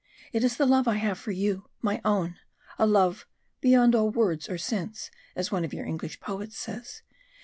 It is the love I have for you, my own a love 'beyond all words or sense' as one of your English poets says.